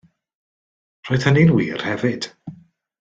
Roedd hynny'n wir hefyd.